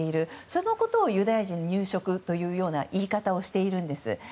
そのことをユダヤ人入植という言い方をしているんです。